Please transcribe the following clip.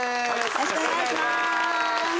よろしくお願いします